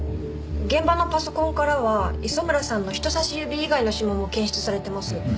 現場のパソコンからは磯村さんの人さし指以外の指紋も検出されてます。